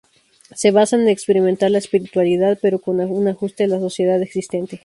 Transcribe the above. Se basan en experimentar la espiritualidad, pero con un ajuste a la sociedad existente.